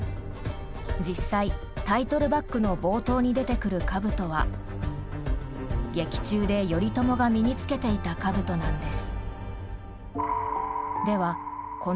実際タイトルバックの冒頭に出てくる兜は劇中で頼朝が身につけていた兜なんです。